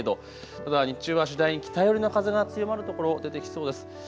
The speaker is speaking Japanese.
ただ日中は次第に北寄りの風が強まる所、出てきそうです。